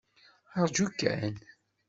Ṛju kan!